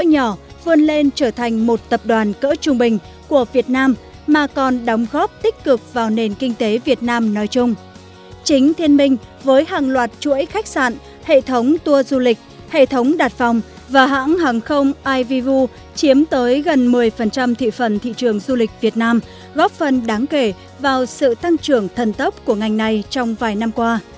hệ thống đạt phòng và hãng hàng không ivvu chiếm tới gần một mươi thị phần thị trường du lịch việt nam góp phần đáng kể vào sự tăng trưởng thần tốc của ngành này trong vài năm qua